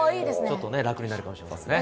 ちょっと楽になるかもしれないですね。